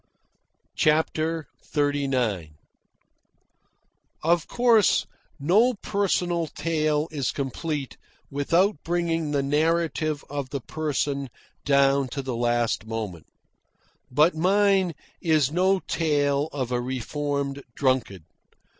CHAPTER XXXIX Of course, no personal tale is complete without bringing the narrative of the person down to the last moment. But mine is no tale of a reformed drunkard.